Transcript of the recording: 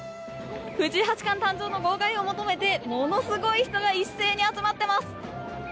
藤井八冠誕生の号外を求めてものすごい人が一斉に集まっています。